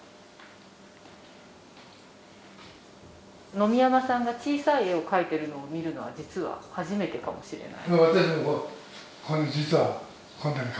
野見山さんが小さい絵を描いてるのを見るのは実は初めてかもしれない。